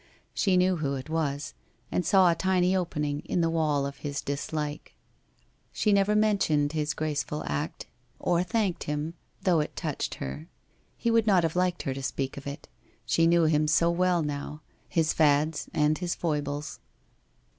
She knew who it was, and saw a tiny opening in the wall of his dislike. She never mentioned 320 WHITE ROSE OF WEARY LEAF his graceful act, or thanked him, though it touched her. He would not have liked her to speak of it. She knew him so well now, his fads and his foibles.